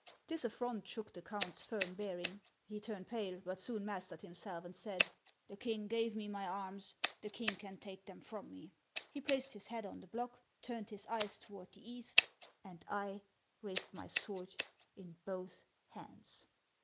This affront shook the count's firm bearing; he turned pale, but soon mastered himself and said, ' The king gave me my arms ; the king can take them from me !' He placed his head on the block, turned his eyes toward the east, and I raised my sword in both hands.